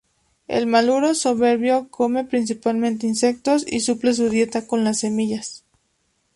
El maluro soberbio come principalmente insectos y suple su dieta con las semillas.